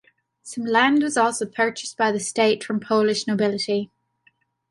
Some land was also purchased by the state from Polish nobility.